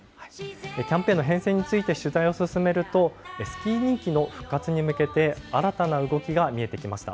キャンペーンの変遷について、取材を続けると、スキー人気の復活に向けて、新たな動きが見えてきました。